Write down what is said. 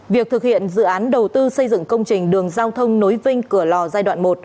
việc thực hiện dự án đầu tư xây dựng công trình đường giao thông nối vinh cửa lò giai đoạn một